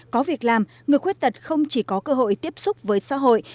có việc làm người khuyết tật không chỉ có cơ hội tiếp xúc với xã hội